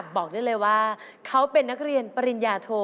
บอกได้เลยว่าเขาเป็นนักเรียนปริญญาโท